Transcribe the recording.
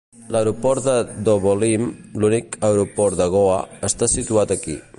L'aeroport de Dabolim, l'únic aeroport de Goa, està situat aquí.